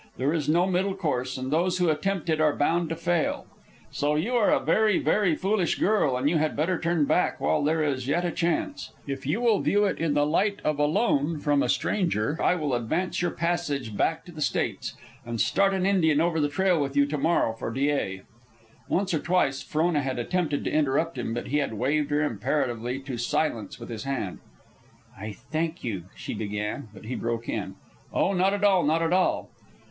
There is no middle course, and those who attempt it are bound to fail. So you are a very, very foolish girl, and you had better turn back while there is yet a chance. If you will view it in the light of a loan from a stranger, I will advance your passage back to the States, and start an Indian over the trail with you to morrow for Dyea." Once or twice Frona had attempted to interrupt him, but he had waved her imperatively to silence with his hand. "I thank you," she began; but he broke in, "Oh, not at all, not at all."